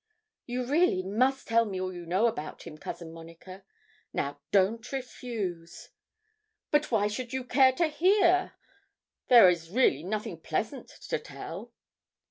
'You really must tell me all you know about him, Cousin Monica. Now don't refuse.' 'But why should you care to hear? There is really nothing pleasant to tell.'